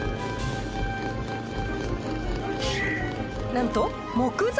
なんと木材。